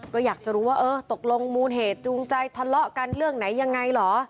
ก็อยากจะรู้ว่าเออตกลงมูลเหตุจูงใจทะเลาะกันเรื่องไหนยังไงเหรอ